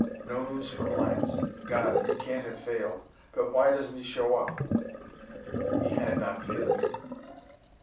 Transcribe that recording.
No news from Lance! God! He can't have failed! But why doesn't he show up?" He had not failed.